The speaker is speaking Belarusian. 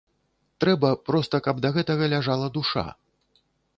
Трэба, проста каб да гэтага ляжала душа.